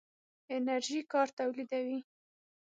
انرژي کار تولیدوي.